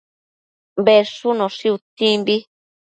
Bedshunoshi utsimbi